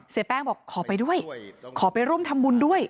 แป้งบอกขอไปด้วยขอไปร่วมทำบุญด้วย